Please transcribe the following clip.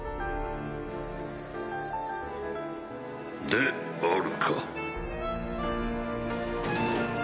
であるか。